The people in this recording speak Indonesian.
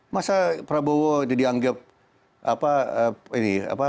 masa prabowo dianggap apa ini